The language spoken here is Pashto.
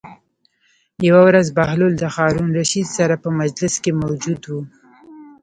یوه ورځ بهلول د هارون الرشید سره په مجلس کې موجود و.